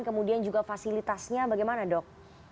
kemudian juga fasilitasnya bagaimana dok